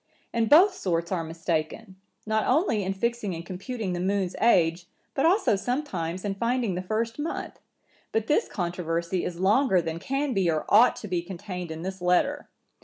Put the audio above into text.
And both sorts are mistaken, not only in fixing and computing the moon's age, but also sometimes in finding the first month; but this controversy is longer than can be or ought to be contained in this letter.